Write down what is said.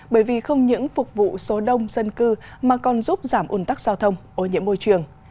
bởi vì không những phục vụ số đông dân cư mà còn giúp giảm ủn tắc giao thông ô nhiễm môi trường